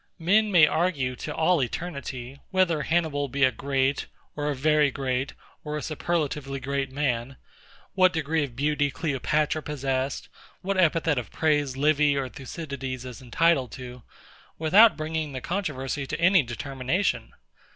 Men may argue to all eternity, whether HANNIBAL be a great, or a very great, or a superlatively great man, what degree of beauty CLEOPATRA possessed, what epithet of praise LIVY or THUCYDIDES is entitled to, without bringing the controversy to any determination.